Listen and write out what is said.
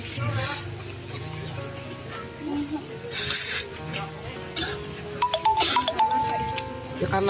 aku ada di dunia ini